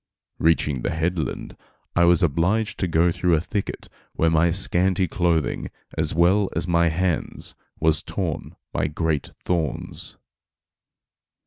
Reaching the headland I was obliged to go through a thicket where my scanty clothing, as well as my hands, was torn by great thorns.